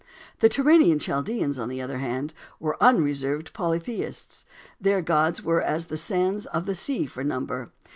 The Turanian Chaldeans, on the other hand, were unreserved polytheists. Their gods were as the sands of the sea for number.